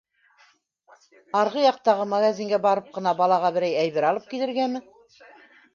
Арғы яҡтағы магазинға барып ҡына балаға берәй әйбер алып килергәме?